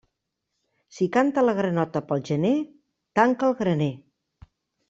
Si canta la granota pel gener, tanca el graner.